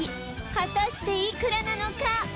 果たしていくらなのか？